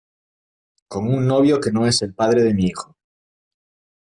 con un novio que no es el padre de mi hijo